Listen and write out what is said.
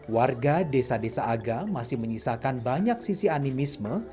warga desa desa aga masih menyisakan banyak sisi animisme